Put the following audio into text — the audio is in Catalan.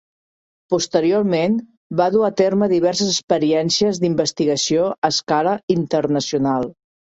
Posteriorment, va dur a terme diverses experiències d'investigació a escala internacional.